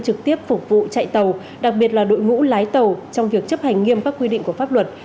trực tiếp phục vụ chạy tàu đặc biệt là đội ngũ lái tàu trong việc chấp hành nghiêm các quy định của pháp luật